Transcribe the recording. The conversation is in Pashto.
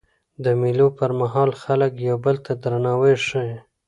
د مېلو پر مهال خلک یو بل ته درناوی ښيي.